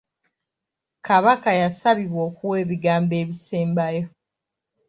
Kabaka yasabibwa okuwa ebigambo ebisembayo.